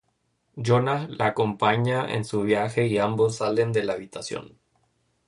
Jonah la acompaña en su viaje y ambos salen de la habitación.